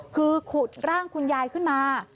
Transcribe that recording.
คือขุดร่างคุณยายขึ้นมา